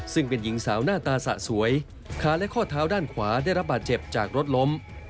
ซึ่งเป็นหญิงสาวหน้าตาสะสวยขาและข้อเท้าด้านขวาได้รับบาดเจ็บจากรถล้ม